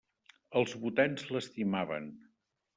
Els votants l'estimaven.